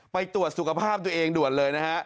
ไปตรวจสุขภาพตัวเองด่วนเลยนะฮะ